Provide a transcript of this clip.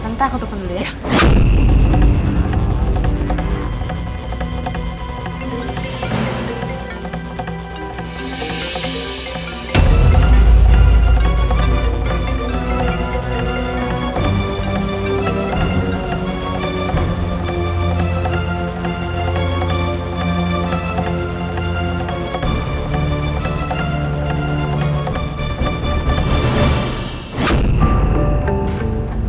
tante ros sudah pergi